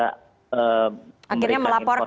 akhirnya melaporkan ya